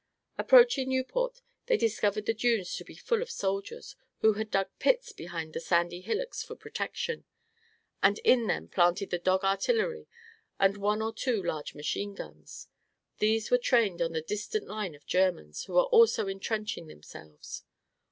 Approaching Nieuport, they discovered the Dunes to be full of soldiers, who had dug pits behind the sandy hillocks for protection, and in them planted the dog artillery and one or two large machine guns. These were trained on the distant line of Germans, who were also entrenching themselves.